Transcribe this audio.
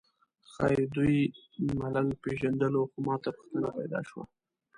ښایي دوی ملنګ پېژندلو خو ماته پوښتنه پیدا شوه.